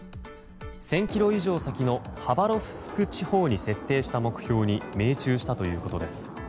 １０００ｋｍ以上先のハバロフスク地方に設定した目標に命中したということです。